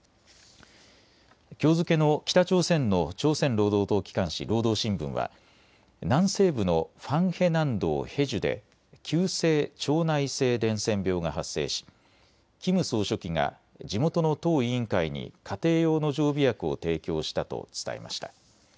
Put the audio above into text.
きょう付けの北朝鮮の朝鮮労働党機関紙、労働新聞は南西部のファンヘ南道ヘジュで急性腸内性伝染病が発生しキム総書記が地元の党委員会に家庭用の常備薬を提供したと伝えました。